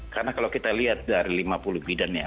karena kalau kita lihat dari lima puluh bidangnya